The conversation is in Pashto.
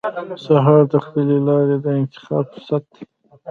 سهار د خپلې لارې د انتخاب فرصت دی.